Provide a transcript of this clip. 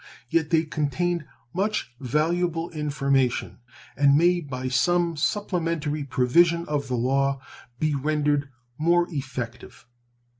Yet they contained much valuable information, and may by some supplementary provision of the law be rendered more effective.